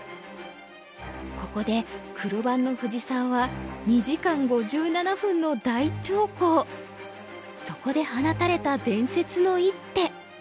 ここで黒番の藤沢はそこで放たれた伝説の一手。